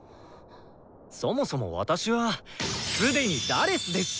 そもそも私は既に「４」ですし！